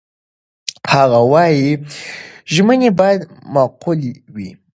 هغه وايي، ژمنې باید معقولې وي.